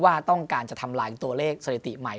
ว่าต้องการจะทำลายตัวเลขสถิติใหม่